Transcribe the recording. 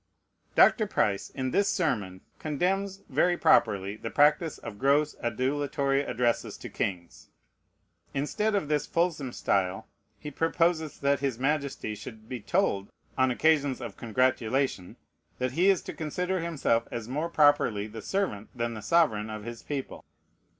Dr. Price, in this sermon, condemns, very properly, the practice of gross adulatory addresses to kings. Instead of this fulsome style, he proposes that his Majesty should be told, on occasions of congratulation, that "he is to consider himself as more properly the servant than the sovereign of his people."